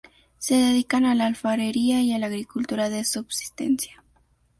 Se dedican a la alfarería y a la agricultura de subsistencia.